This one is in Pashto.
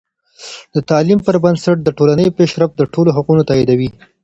د تعلیم پر بنسټ د ټولنې پیشرفت د ټولو حقونه تاییدوي.